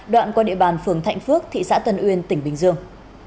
đoạn qua địa bàn phường thạnh phước thị xã tân uyên tỉnh bình dương